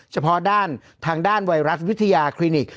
เฉพาะด้านทางด้านไวรัสวิทยาคลินิก